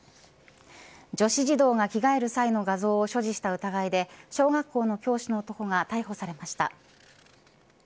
女子児童が着替える際の画像を所持した疑いで小学校の教師の男が逮捕されました。